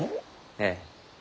ええ。